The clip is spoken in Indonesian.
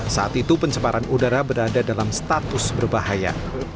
saat itu pencemaran udara berada dalam status berbahaya